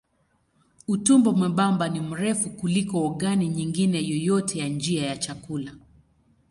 Utumbo mwembamba ni mrefu kuliko ogani nyingine yoyote ya njia ya chakula.